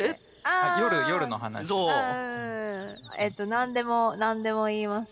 何でも何でも言います。